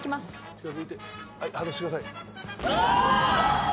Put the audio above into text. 近づいて外してください。